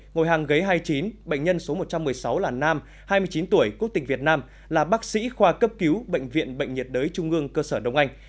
ngồi hàng gấy hai mươi chín bệnh nhân số một trăm một mươi sáu là nam hai mươi chín tuổi quốc tịch việt nam là bác sĩ khoa cấp cứu bệnh viện bệnh nhiệt đới trung ương cơ sở đông anh